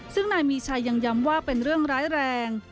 ซึ่งนายมีชัยยังย้ำว่าเป็นเรื่องร้ายแรง